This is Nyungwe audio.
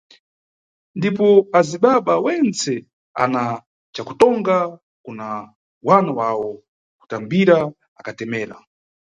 Ndipo azibaba wentse ana cakutonga kuna wana wawo kutambira akatemera.